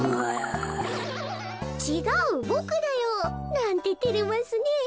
「ちがうボクだよ」なんててれますねえ。